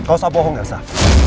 gak usah bohong gak sah